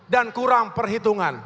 dan kurang perhitungan